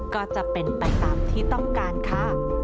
ก็จะเป็นไปตามที่ต้องการค่ะ